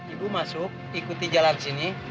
ibu masuk ikuti jalan sini